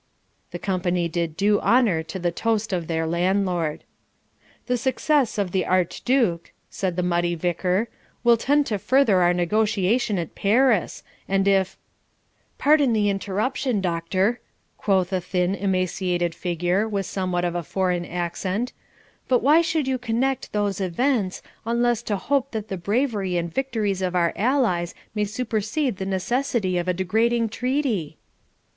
The company did due honour to the toast of their landlord. 'The success of the Archduke,' said the muddy Vicar, 'will tend to further our negotiation at Paris; and if ' 'Pardon the interruption, Doctor,' quoth a thin emaciated figure, with somewhat of a foreign accent; 'but why should you connect those events, unless to hope that the bravery and victories of our allies may supersede the necessity of a degrading treaty?'